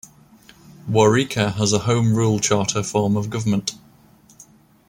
Waurika has a home rule charter form of government.